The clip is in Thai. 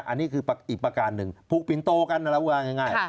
อันนี้คืออีกประการนึงผูกปินโตกันแล้วครับง่าย